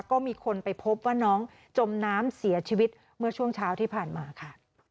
ก็มีคนไปพบว่าน้องจมน้ำเสียชีวิตเมื่อช่วงเช้าที่ผ่านมาค่ะ